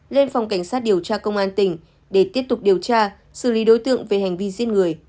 lên phòng cảnh sát điều tra công an tỉnh để tiếp tục điều tra xử lý đối tượng về hành vi giết người